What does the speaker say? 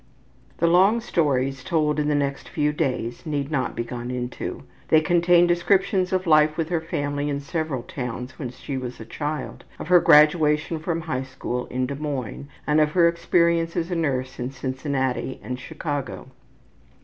'' The long stories told in the next few days need not be gone into. They contained descriptions of life with her family in several towns when she was a child, of her graduation from the high school in Des Moines, and of her experience as a nurse in Cincinnati and Chicago.